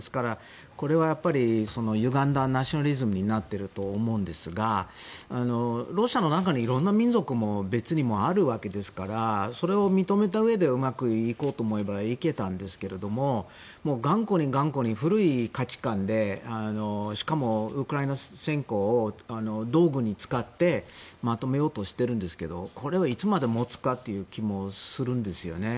これは、歪んだナショナリズムになってると思うんですがロシアの中にいろんな民族も別にもあるわけですからそれを認めたうえでうまくいこうと思えばいけたんですけれども頑固に古い価値観でしかもウクライナ侵攻をドブに浸かってまとめようとしてるんですけどいつまで持つかという気もするんですよね。